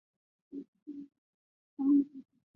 娶慈禧太后二弟桂祥长女为妻。